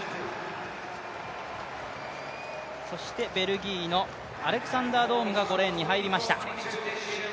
そしてベルギーのアレクサンダー・ドームが５レーンに入りました。